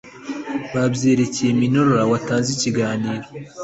Babyereke minuar uwatanze ikiganiro